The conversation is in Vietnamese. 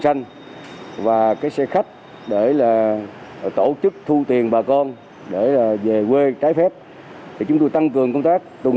xanh và xe khách để tổ chức thu tiền bà con về quê trái phép chúng tôi tăng cường công tác tùng